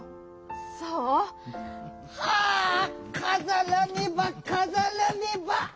そう？はあかざらねばかざらねば！